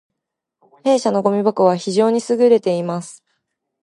弊社のごみ箱は非常に優れています